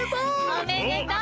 おめでとう！